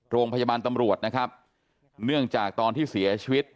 โรงพยาบาลตำรวจนะครับเนื่องจากตอนที่เสียชีวิต